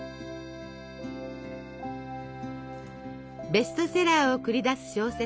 ベストセラーを繰り出す小説